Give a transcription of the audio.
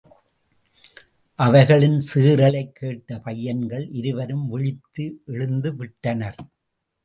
அவைகளின் சீறலைக் கேட்ட பையன்கள் இருவரும் விழித்து எழுந்துவிட்டனர்.